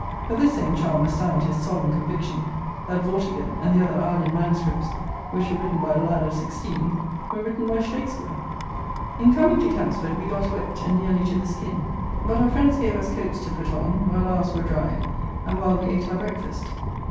But this same Chalmers signed his solemn conviction, that Vortigern and the other Ireland manuscripts, which were written by a lad of sixteen, were written by SHAKSPEARE. In coming to Kempsford we got wet, and nearly to the skin. But our friends gave us coats to put on, while ours were dried, and while we ate our breakfast.